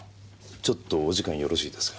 ちょっとお時間よろしいですか。